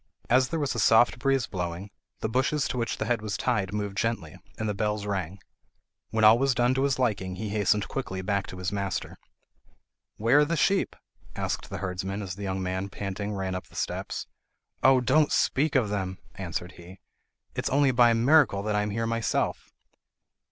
As there was a soft breeze blowing, the bushes to which the head was tied moved gently, and the bells rang. When all was done to his liking he hastened quickly back to his master. "Where are the sheep?" asked the herdsman as the young man ran panting up the steps. "Oh! don't speak of them," answered he. "It is only by a miracle that I am here myself."